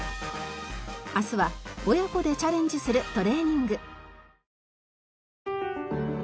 明日は親子でチャレンジするトレーニング。